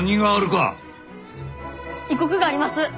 異国があります！